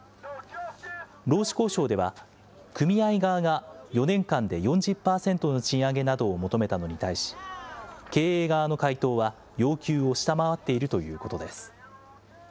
労使交渉では、組合側が４年間で４０％の賃上げなどを求めたのに対し、経営側の回答は、要求を下回っているということです。